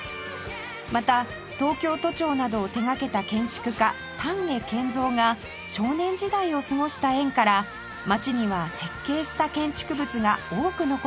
また東京都庁などを手掛けた建築家丹下健三が少年時代を過ごした縁から街には設計した建築物が多く残されています